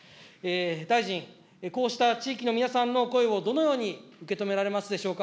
大臣、こうした地域の皆さんの声をどのように受け止められますでしょうか。